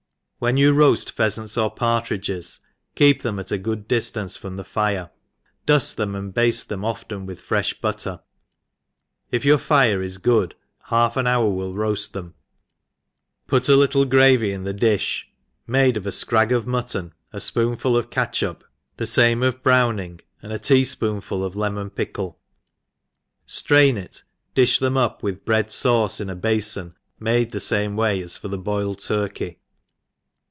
WHEN you roaft pheafants or partridges* keep them at a good diftance from the fire, duft them, and bafte them often with frefli butter ; if your fire is good, half an hour will roaft them ; put a little gravy in the di(h, made of a fcrag of mutton, a fpoonful of catchup, the fame of browning, and a tea fpoonful of lemon pickle, ftrain it, difli them up, with bread fauce, in a bafon, made the fame way as for the boiled tur key.